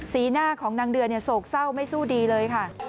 หน้าของนางเดือนโศกเศร้าไม่สู้ดีเลยค่ะ